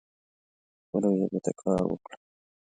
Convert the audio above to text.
خپلې ژبې ته کار وکړئ